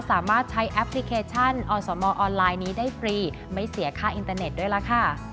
สามารถใช้แอปพลิเคชันอสมออนไลน์นี้ได้ฟรีไม่เสียค่าอินเตอร์เน็ตด้วยล่ะค่ะ